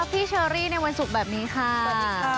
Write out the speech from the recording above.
พี่เชอรี่ในวันสุขแบบนี้ค่ะ